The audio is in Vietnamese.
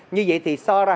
như vậy thì so ra